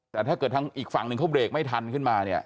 แต่ถ้าเกิดทางอีกฝั่งหนึ่งเขาเบรกไม่ทันขึ้นมาเนี่ย